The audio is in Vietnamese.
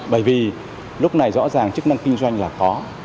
bởi vì lúc này rõ ràng chức năng kinh doanh là khó